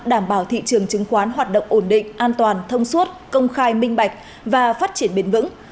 đảm bảo thị trường chứng khoán hoạt động ổn định an toàn thông suốt công khai minh bạch và phát triển bền vững